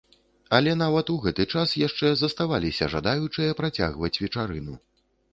Але нават у гэты час яшчэ заставаліся жадаючыя працягваць вечарыну.